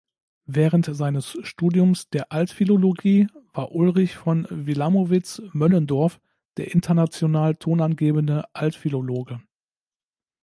Während seines Studiums der Altphilologie war Ulrich von Wilamowitz-Moellendorff der international tonangebende Altphilologe.